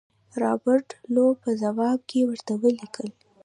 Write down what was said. رابرټ لو په ځواب کې ورته ولیکل.